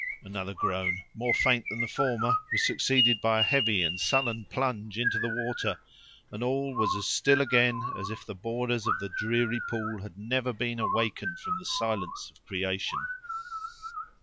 Another groan more faint than the former was succeeded by a heavy and sullen plunge into the water, and all was still again as if the borders of the dreary pool had never been awakened from the silence of creation.